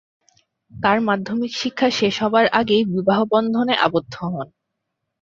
তার মাধ্যমিক শিক্ষা শেষ হবার আগেই বিবাহ বন্ধনে আবদ্ধ হন।